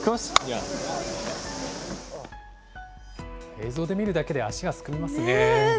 映像で見るだけで足がすくみますね。